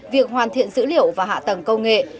việc hoàn thiện dữ liệu và hạ tầng công nghệ